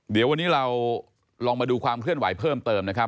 เดี๋ยววันนี้เราลองมาดูความเคลื่อนไหวเพิ่มเติมนะครับ